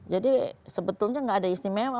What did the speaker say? jadi sebetulnya enggak ada istimewa